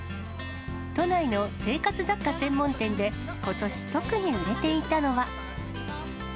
都内の生活雑貨専門店で、ことし特に売れていたのは。